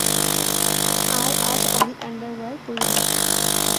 আর আজ আমি আন্ডারওয়্যার পরি নি।